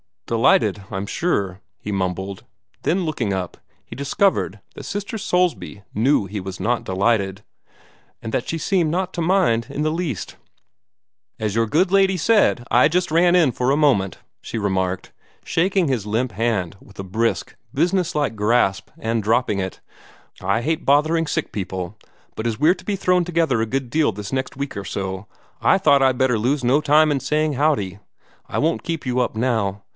"Delighted, I'm sure," he mumbled. Then, looking up, he discovered that Sister Soulsby knew he was not delighted, and that she seemed not to mind in the least. "As your good lady said, I just ran in for a moment," she remarked, shaking his limp hand with a brisk, business like grasp, and dropping it. "I hate bothering sick people, but as we're to be thrown together a good deal this next week or so, I thought I'd like to lose no time in saying 'howdy.' I won't keep you up now.